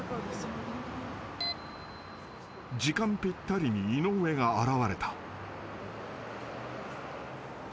［時間ぴったりに井上が現れた］